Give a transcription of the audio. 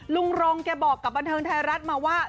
รงแกบอกกับบันเทิงไทยรัฐมาว่า